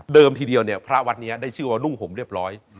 ทีเดียวเนี่ยพระวัดนี้ได้ชื่อว่านุ่งห่มเรียบร้อย